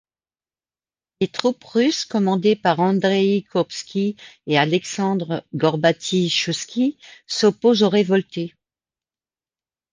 Les troupes russes commandées par Andreï Kourbsky et Aleksandr Gorbaty-Chouïski s'opposent aux révoltés.